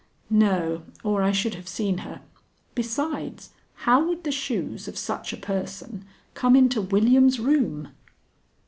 "No, or I should have seen her. Besides, how would the shoes of such a person come into William's room?"